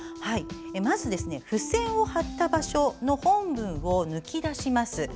まず付箋を貼った場所の本文を抜き出します。